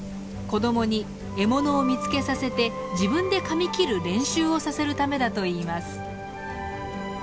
子どもに獲物を見つけさせて自分でかみ切る練習をさせるためだといいます。